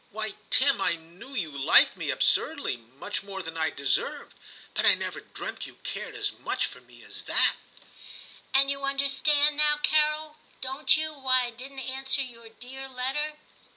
* Why, Tim, I knew you liked me absurdly, much more than I deserved, but I never dreamt you cared as much for me as that/ 'And you understand now, Carol, don't you, why I didn't answer your dear letter